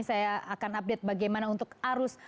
saya akan update bagaimana untuk arus